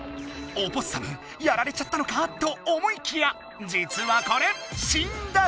オポッサムやられちゃったのか？と思いきやじつはこれ！